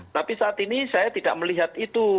tapi saat ini saya tidak melihat itu